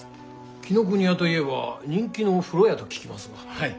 紀伊国屋といえば人気の風呂屋と聞きますが。